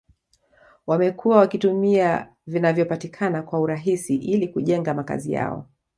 Wamekuwa wakitumia vinavyopatikana kwa urahisi ili kujenga makazi yao